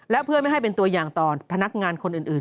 และเพื่อไม่ให้เป็นตัวอย่างต่อพนักงานคนอื่น